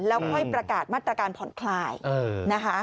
แล้วค่อยประกาศมาตรการผ่อนคลายนะคะ